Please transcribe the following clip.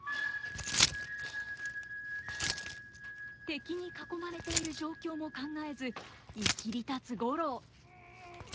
敵に囲まれている状況も考えずいきりたつ五郎。